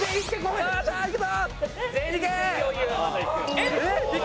えっ？